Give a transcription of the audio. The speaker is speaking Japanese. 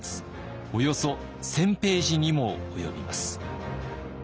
およそ１，０００ページにも及びます。